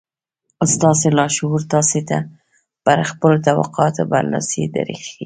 ستاسې لاشعور تاسې ته پر خپلو توقعاتو برلاسي دربښي.